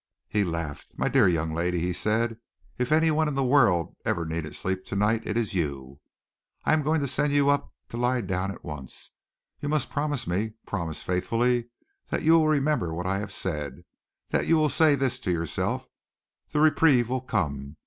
He laughed. "My dear young lady," he said, "if anyone in the world ever needed sleep to night, it is you. I am going to send you up to lie down at once. You must promise me, promise faithfully, that you will remember what I have said, that you will say this to yourself: 'The reprieve will come!'